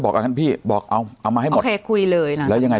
บอกอ่ะครับพี่บอกเอาเอามาให้หมดคุยเลยแล้วยังไง